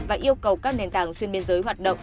và yêu cầu các nền tảng xuyên biên giới hoạt động